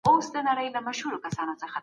ولي د کار کولو حق مهم دی؟